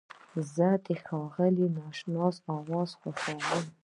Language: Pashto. زه د ښاغلي ناشناس اواز خوښوم.